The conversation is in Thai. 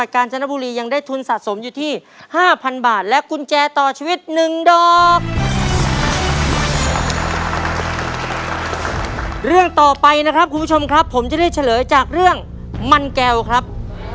ครับคุณผู้ชมครับผมจะได้เฉลยจากเรื่องมันแก้วครับ